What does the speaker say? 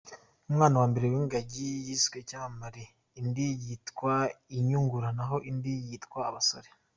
Umwana wambere w’ingagi yiswa Icyamamare, indi yitwa Inyungura, naho indi yitwa Abasore.